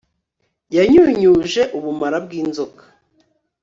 yanyunyuje ubumara bw'inzoka